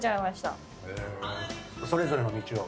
それぞれの道を。